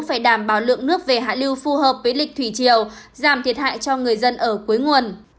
phải đảm bảo lượng nước về hạ lưu phù hợp với lịch thủy triều giảm thiệt hại cho người dân ở cuối nguồn